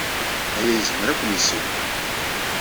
Aya yezmer ad ken-yessewhem.